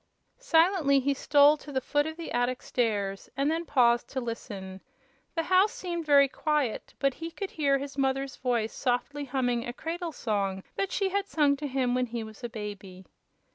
Silently he stole to the foot of the attic stairs and then paused to listen. The house seemed very quiet, but he could hear his mother's voice softly humming a cradle song that she had sung to him when he was a baby.